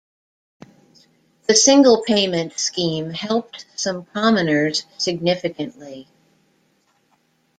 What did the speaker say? The Single Payment Scheme helped some Commoners significantly.